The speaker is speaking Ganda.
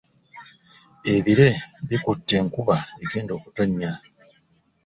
Ebire bikute enkuba egenda kutonnya.